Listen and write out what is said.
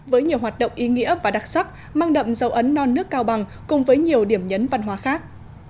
với nhiều hoạt động ý nghĩa và đặc sắc mang đậm dấu ấn non nước cao bằng cùng với nhiều điểm nhấn văn hóa khác